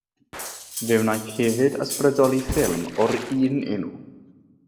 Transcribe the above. Fe wnaeth hefyd ysbrydoli ffilm o'r un enw.